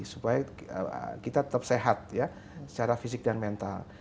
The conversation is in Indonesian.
supaya kita tetap sehat ya secara fisik dan mental